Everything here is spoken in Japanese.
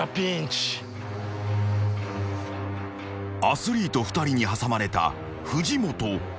［アスリート２人に挟まれた藤本］